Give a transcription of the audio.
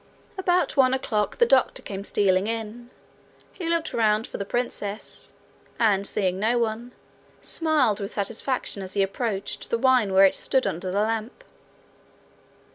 About one o'clock the doctor came stealing in. He looked round for the princess, and seeing no one, smiled with satisfaction as he approached the wine where it stood under the lamp.